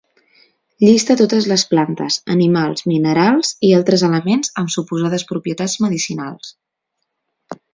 Llista totes les plantes, animals, minerals, i altres elements amb suposades propietats medicinals.